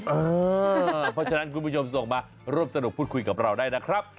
เพราะฉะนั้นคุณผู้ชมส่งมาร่วมสนุกพูดคุยกับเราได้นะครับ